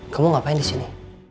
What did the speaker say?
kamu ngapain disini